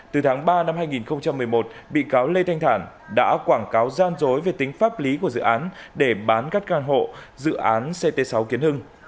từ tháng ba năm hai nghìn một mươi một bị cáo lê thanh thản đã quảng cáo gian dối về tính pháp lý của dự án để bán các căn hộ dự án ct sáu kiến hưng